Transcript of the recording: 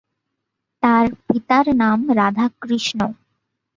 তার পিতার নাম রাধাকৃষ্ণ।